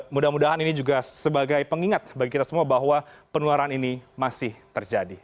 mudah mudahan ini juga sebagai pengingat bagi kita semua bahwa penularan ini masih terjadi